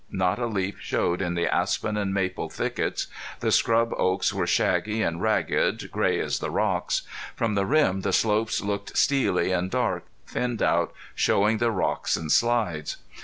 Not a leaf showed in the aspen and maple thickets. The scrub oaks were shaggy and ragged, gray as the rocks. From the rim the slopes looked steely and dark, thinned out, showing the rocks and slides.